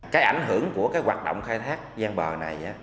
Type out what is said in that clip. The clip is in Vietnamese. cái ảnh hưởng của hoạt động khai thác ven bờ này